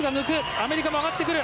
アメリカも上がってくる！